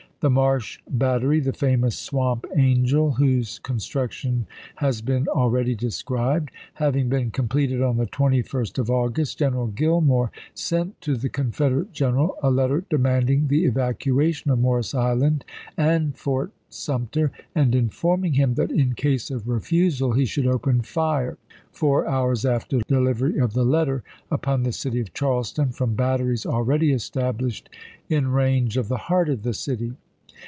The Marsh Battery — the famous " Swamp Angel," whose construction has been already described — having been completed on the 21st of August, General Gillmore sent to the Con federate general a letter demanding the evacuation of Morris Island and Fort Sumter, and informing him that in case of refusal he should open fire, four hours after delivery of the letter, upon the city S§». ' of Charleston from batteries already established in range of the heart of the city.